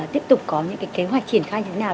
tiếp tục có những kế hoạch triển khai như thế nào